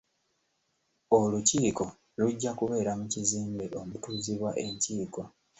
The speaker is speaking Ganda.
Olukiiko lujja kubeera mu kizimbe omutuuzibwa enkiiko.